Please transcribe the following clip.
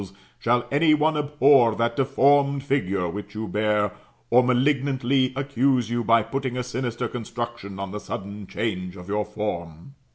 196 nt laCTAMOWHOSU, OR shall any one abhor that defonned figuie which you bear ; or malignantly accuse yoU| by putting a sinister construction on the sudden change of your form.